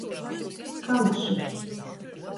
Kalaši.